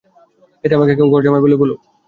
এতে আমাকে কেউ ঘরজামাই বললে বলুক।